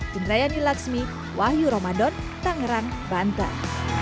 jendrayani laksmi wahyu ramadan tangerang banten